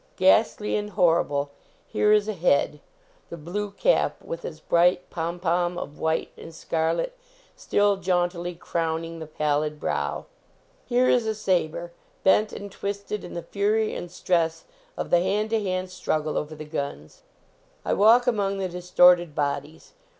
Ghastly and horrible, here is a head, the blue cap 35 THE BATTLE OF ARDMORE with its bright pompon of white and scarlet still jauntily crowning the pallid brow. Here is a saber, bent and twisted in the fury and stress of the hand to hand struggle over the guns. I walk among the distorted bodies.